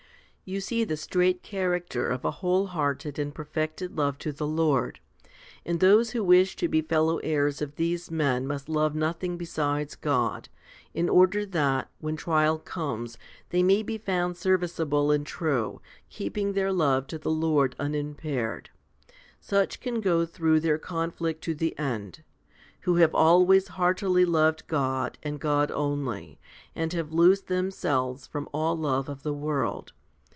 You see the straight character of a whole hearted and perfected love to the Lord ; and those who wish to be fellow heirs of these men must love nothing besides God, in order that, when trial comes, they may be found serviceable and true, keeping their love to the Lord unimpaired. Such can go through their conflict to the end who have always heartily loved God and God only, and have loosed them selves from all love of the world.